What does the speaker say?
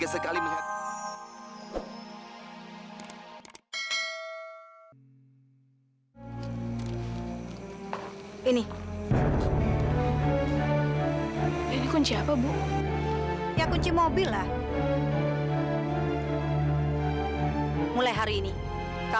sampai jumpa di video selanjutnya